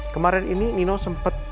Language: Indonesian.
kemarin ini nino sempet